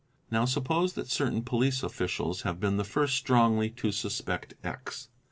Now suppose that certain police officials have been the first strongly to suspect X.